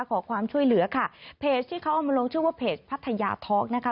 ขอความช่วยเหลือค่ะเพจที่เขาเอามาลงชื่อว่าเพจพัทยาท็อกนะคะ